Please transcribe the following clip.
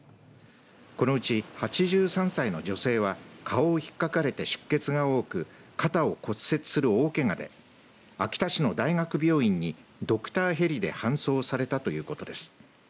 このうち８３歳の女性は顔を引っかかれて出血が多く肩を骨折する大けがで秋田市の大学病院にドクターヘリで搬送されたということです。